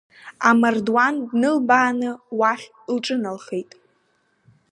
Амардуан длылбааны, уахь лҿыналхеит.